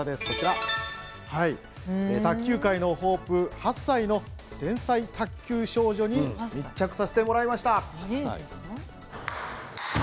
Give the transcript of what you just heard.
卓球界のホープ、８歳の天才卓球少女に密着させてもらいました。